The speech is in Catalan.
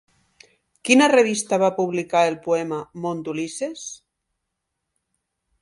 Quina revista va publicar el poema Món d'Ulisses?